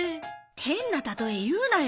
変な例え言うなよ。